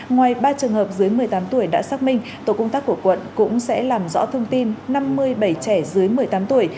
ngoài ba trường hợp dưới một mươi tám tuổi đã xác minh tổ công tác của quận cũng sẽ làm rõ thông tin năm mươi bảy trẻ dưới một mươi tám tuổi